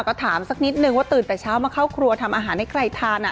ก็ถามสักนิดนึงว่าตื่นแต่เช้ามาเข้าครัวทำอาหารให้ใครทาน